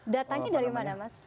datangnya dari mana mas